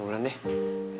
dia cuma noloh keambilan